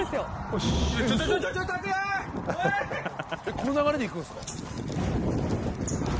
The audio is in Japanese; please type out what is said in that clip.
「この流れで行くんですか？」